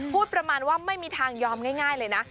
พูดประมาณว่าไม่มีทางยอมง่ายเลยนะ